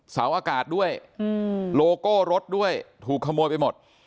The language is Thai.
เสาอากาศด้วยโลโก้รถด้วยถูกขโมยไปหมด